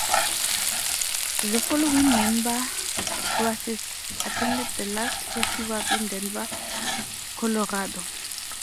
The following member choruses attended the latest festival in Denver, Colorado.